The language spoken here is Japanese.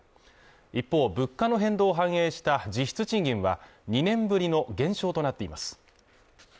一方物価の変動を反映した実質賃金は２年ぶりの減少となっています